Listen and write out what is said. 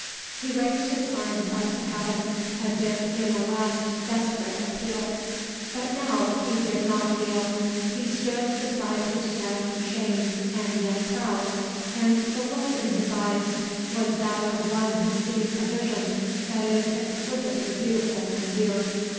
'" He raised his arms up to heaven as if in a last desperate appeal; but now he did not kneel he stood beside his friend shamed and yet proud, and the look in his eyes was that of one who sees a vision that is exquisitely beautiful and dear.